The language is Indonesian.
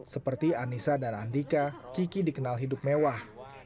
seperti anissa dan andika kiki dikenal hidup mewah